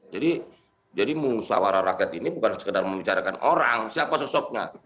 jadi jadi usaha warah rakyat ini bukan sekedar membicarakan orang siapa sosoknya